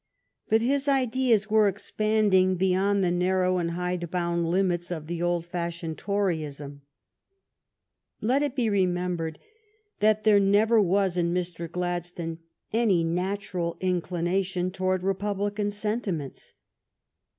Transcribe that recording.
But his ideas were expanding beyond the narrow and hidebound limits of the old fashioned Toryism. Let it be re membered that there never was in Mr. Gladstone any natural inclination towards republican senti ments.